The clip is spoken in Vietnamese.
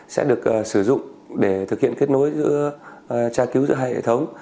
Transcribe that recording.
sẽ được sử dụng để thực hiện kết nối giữa tra cứu giữa hai hệ thống